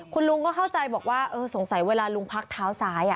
คุณลุงก็เข้าใจบอกว่าเออสงสัยเวลาลุงพักเท้าซ้าย